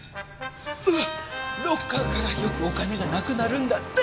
ロッカーからよくお金がなくなるんだって。